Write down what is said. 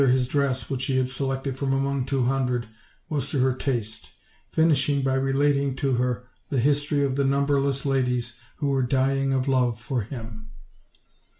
his dress, which he had selected from among two hun dred, was to her taste; finishing by relating to her the history of the numberless ladies who were dying of love for him.